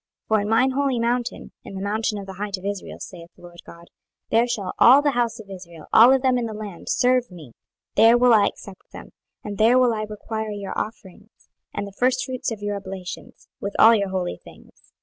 26:020:040 For in mine holy mountain, in the mountain of the height of Israel, saith the Lord GOD, there shall all the house of Israel, all of them in the land, serve me: there will I accept them, and there will I require your offerings, and the firstfruits of your oblations, with all your holy things.